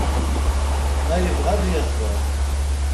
Ma yebɣa ad yehder.